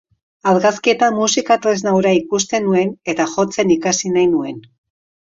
Argazkietan musika tresna hura ikusten nuen eta jotzen ikasi nahi nuen.